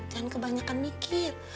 jangan kebanyakan mikir